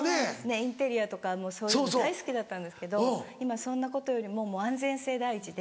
インテリアとかそういうの大好きだったんですけど今そんなことよりも安全性第一で。